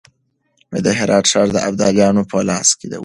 د هرات ښار د ابدالیانو په لاس کې و.